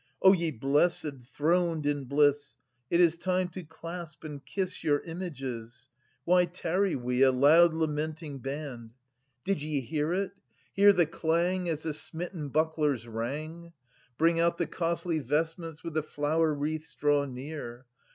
O ye Blessed, throned in bliss, it is time to clasp and kiss Your images — ^why tarry we, a loud lamenting band ? THE SE VEN A GA INST THEBES. 9 Did ye hear it — hear the clang as the smitten bucklers rang ? 100 Bring out the costly vestments, with the flower wreaths draw near.